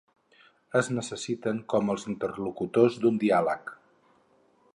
Es necessiten com els interlocutors d'un diàleg.